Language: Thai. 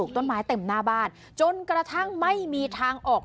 สุดทนแล้วกับเพื่อนบ้านรายนี้ที่อยู่ข้างกัน